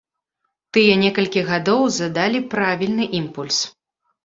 Тыя некалькі гадоў задалі правільны імпульс.